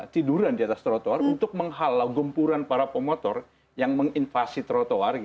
tiduran di atas trotoar untuk menghalau gempuran para pemotor yang menginvasi trotoar